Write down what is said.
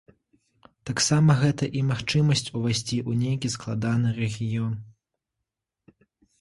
Таксама гэта і магчымасць увайсці ў нейкі складаны рэгіён.